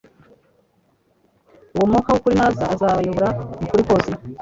Uwo mwuka w'ukuri naza azabayobora mu kuri kose,